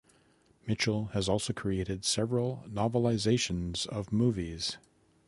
Mitchell has also created several novelizations of movies.